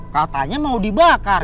katanya mau dibakar